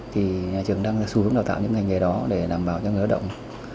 thì nhà trường đang xu hướng đào tạo những ngành nghề đó để đảm bảo cho người lao động